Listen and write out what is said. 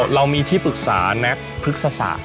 เรามีที่ปรึกษานักพฤกษศาสตร์